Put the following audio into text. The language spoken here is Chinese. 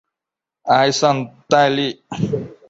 埃尚代利。